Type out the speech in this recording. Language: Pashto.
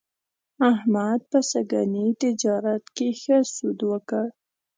احمد په سږني تجارت کې ښه سود وکړ.